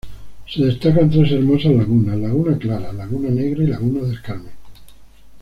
Se destacan tres hermosas lagunas: Laguna clara, Laguna negra y Laguna del Carmen.